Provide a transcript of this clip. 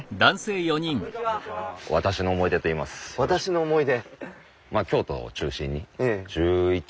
「私の思い出」。